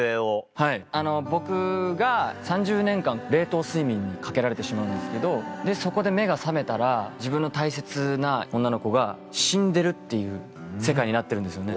はい僕が３０年間冷凍睡眠にかけられてしまうんですけどそこで目が覚めたら自分の大切な女の子が死んでるっていう世界になってるんですよね。